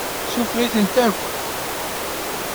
Suffeɣ-itent akk.